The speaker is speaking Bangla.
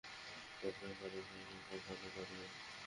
তো অপেক্ষা করো, আর ওকে ফলো করবে।